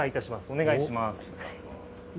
お願いします。